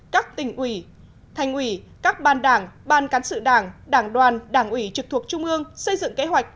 các tỉnh ủy thành ủy các ban đảng ban cán sự đảng đảng đoàn đảng ủy trực thuộc trung ương xây dựng kế hoạch